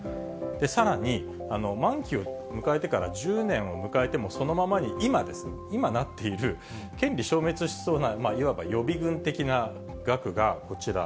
さらに、満期を迎えてから１０年を迎えても、そのままに今、今、なっている権利消滅しそうな、いわば予備軍的な額がこちら。